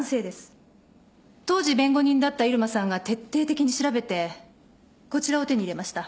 当時弁護人だった入間さんが徹底的に調べてこちらを手に入れました。